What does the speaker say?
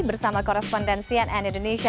bersama korespondensian n indonesia